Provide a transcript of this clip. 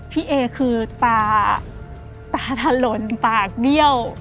พี่เอคือตาตาถลนปากเบี้ยว